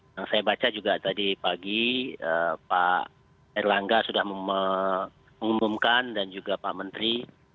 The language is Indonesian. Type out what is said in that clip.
yang saya baca juga tadi pagi pak erlangga sudah mengumumkan dan juga pak menteri